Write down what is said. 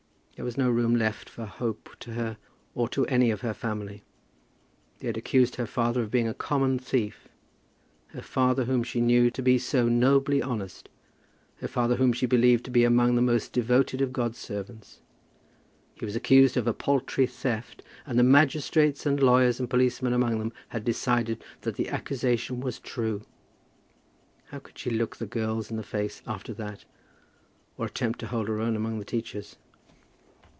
There was no room left for hope to her, or to any of her family. They had accused her father of being a common thief, her father whom she knew to be so nobly honest, her father whom she believed to be among the most devoted of God's servants. He was accused of a paltry theft, and the magistrates and lawyers and policemen among them had decided that the accusation was true! How could she look the girls in the face after that, or attempt to hold her own among the teachers!